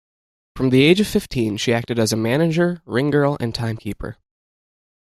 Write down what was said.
From the age of fifteen, she acted as a manager, ring girl, and timekeeper.